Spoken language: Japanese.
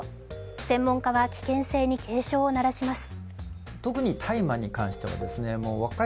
専門家は危険性に警鐘を鳴らします。